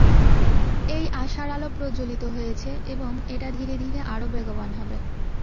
এই আশার আলো প্রজ্বলিত হয়েছে এবং এটা ধীরে ধীরে আরও বেগবান হবে।